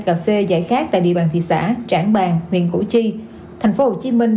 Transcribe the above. cà phê giải khát tại địa bàn thị xã trảng bàng huyện củ chi thành phố hồ chí minh